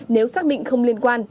nếu xác định không liên quan